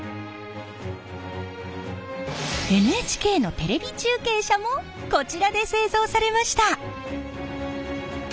ＮＨＫのテレビ中継車もこちらで製造されました。